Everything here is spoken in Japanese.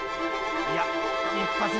いや。